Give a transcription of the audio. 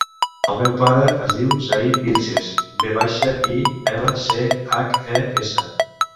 El meu pare es diu Ziad Vilches: ve baixa, i, ela, ce, hac, e, essa.